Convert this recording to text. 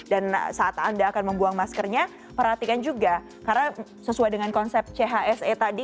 dan saat anda akan membuang maskernya perhatikan juga karena sesuai dengan konsep chse tadi